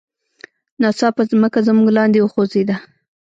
ناڅاپه ځمکه زموږ لاندې وخوزیده.